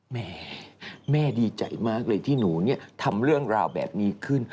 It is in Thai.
แม่แม่ดีใจมากเลยที่หนูทำเรื่องราวแบบนี้ขึ้น